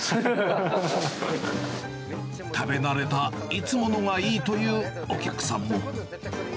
食べ慣れたいつものがいいというお客さんも。